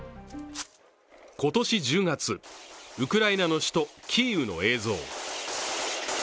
今年１０月、ウクライナの首都キーウの映像。